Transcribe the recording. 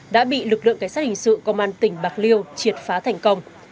đã bị lực lượng cảnh sát hình sự công an tỉnh bạc liêu triệt phá thành công